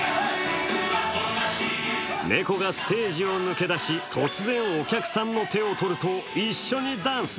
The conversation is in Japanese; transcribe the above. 猫がステージを抜け出し、突然お客さんの手を取ると、一緒にダンス。